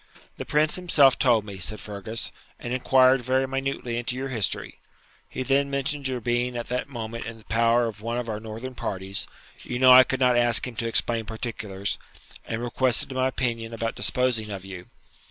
'The Prince himself told me,' said Fergus, 'and inquired very minutely into your history. He then mentioned your being at that moment in the power of one of our northern parties you know I could not ask him to explain particulars and requested my opinion about disposing of you.